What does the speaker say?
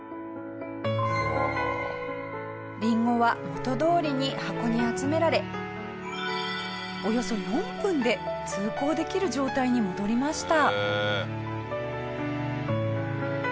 リンゴは元通りに箱に集められおよそ４分で通行できる状態に戻りました。